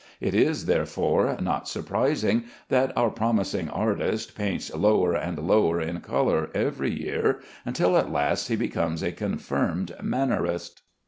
It is, therefore, not surprising that our promising artist paints lower and lower in color every year, until at last he becomes a confirmed mannerist.